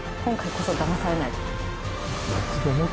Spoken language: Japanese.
今回こそ騙されないぞ。